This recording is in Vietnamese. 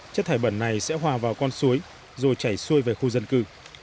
chất thải bẩn này sẽ hòa vào con suối rồi chảy xuôi về khu dân cư